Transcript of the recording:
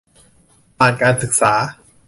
ผ่านการศึกษา